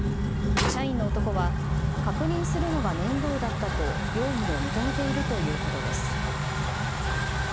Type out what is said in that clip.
社員の男は確認するのが面倒だったと容疑を認めているということです。